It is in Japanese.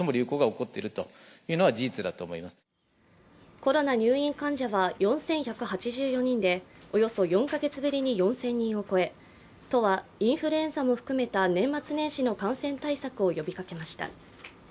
コロナ入院患者は４１８４人でおよそ４か月ぶりに４０００人を超え都はインフルエンザも含めた年末年始の感染対策を呼びかけました。